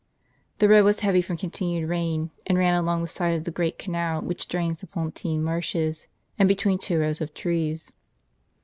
The road was heavy from continued rain, and ran along the side of the great canal which drains the Pontine marshes, and between two rows of trees.